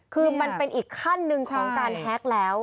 คือมันเป็นอีกขั้นหนึ่งของการแฮ็กแล้ว